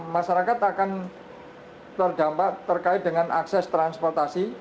masyarakat akan terdampak terkait dengan akses transportasi